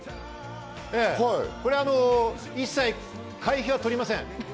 これは一切、お金は取りません。